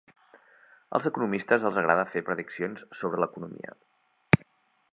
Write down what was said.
Als economistes els agrada fer prediccions sobre l'economia.